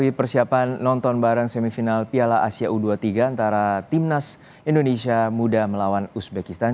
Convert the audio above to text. di persiapan nonton bareng semifinal piala asia u dua puluh tiga antara timnas indonesia muda melawan uzbekistan